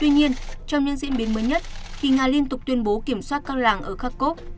tuy nhiên trong những diễn biến mới nhất khi nga liên tục tuyên bố kiểm soát các làng ở kharkov